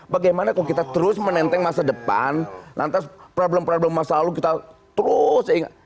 bagaimana kalau kita terus menenteng masa depan lantas problem problem masa lalu kita terus ingat